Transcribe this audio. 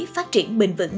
phát triển bình luận